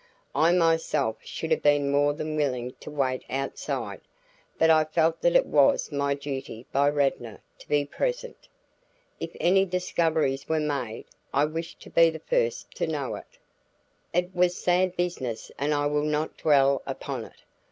I myself should have been more than willing to wait outside, but I felt that it was my duty by Radnor to be present. If any discoveries were made I wished to be the first to know it. It was sad business and I will not dwell upon it.